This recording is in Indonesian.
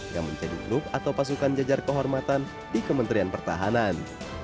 yang menjadi klub atau pasukan jajar kehormatan di kementerian pertahanan